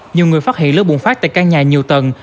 nhiều người phát hiện lỡ bùng phát tại căn nhà nhiều tầng